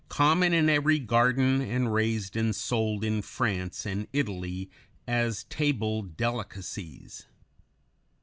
109), common in every garden and raised and sold in France and Italy as table delicacies.